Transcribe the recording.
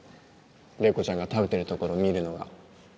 麗子ちゃんが食べてるところ見るのが